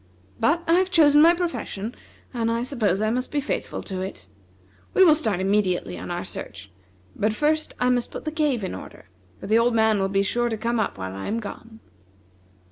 But I have chosen my profession, and I suppose I must be faithful to it. We will start immediately on our search; but first I must put the cave in order, for the old man will be sure to come up while I am gone."